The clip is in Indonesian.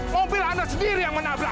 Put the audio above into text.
mobil anda sendiri yang menabrak